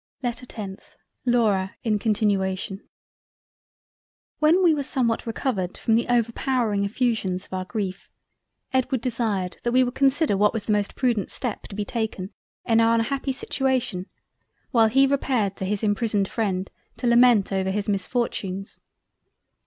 LETTER 10th LAURA in continuation When we were somewhat recovered from the overpowering Effusions of our grief, Edward desired that we would consider what was the most prudent step to be taken in our unhappy situation while he repaired to his imprisoned freind to lament over his misfortunes.